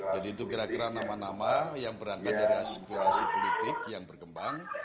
jadi itu kira kira nama nama yang berantakan dari aspirasi politik yang berkembang